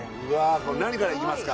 これ何からいきますか。